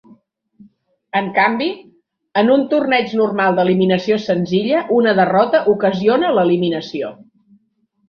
En canvi, en un torneig normal d'eliminació senzilla una derrota ocasiona l'eliminació.